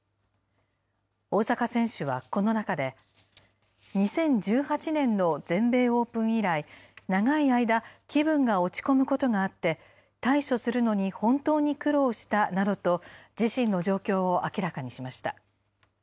大坂選手はこの中で、２０１８年の全米オープン以来、長い間、気分が落ち込むことがあって、対処するのに本当に苦労したなどと、自身の状況を明らかにしました。